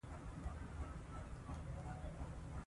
پـورتـه وغورځـېدم ، ډېـرې وېـرې له ځايـه راويـښه.